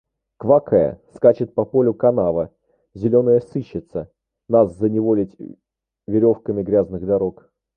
Квакая, скачет по полю канава, зеленая сыщица, нас заневолить веревками грязных дорог.